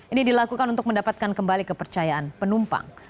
ini dilakukan untuk mendapatkan kembali kepercayaan penumpang